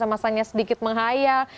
masa masanya sedikit menghayal